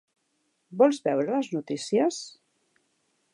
Vols veure les notícies?